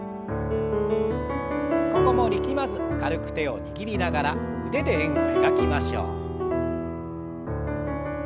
ここも力まず軽く手を握りながら腕で円を描きましょう。